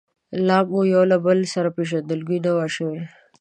لا مو له یو او بل سره پېژندګلوي نه وه شوې.